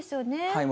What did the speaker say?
はい。